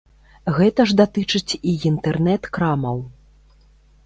Гэта ж датычыць і інтэрнэт-крамаў.